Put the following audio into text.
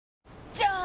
じゃーん！